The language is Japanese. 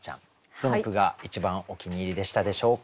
どの句が一番お気に入りでしたでしょうか？